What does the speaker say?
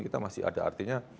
kita masih ada artinya